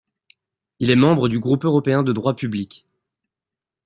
Il est membre du Groupe européen de droit public.